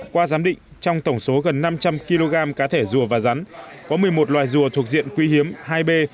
qua giám định trong tổng số gần năm trăm linh kg cá thể rùa và rắn có một mươi một loài rùa thuộc diện quý hiếm hai b